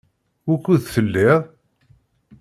Wukud telliḍ?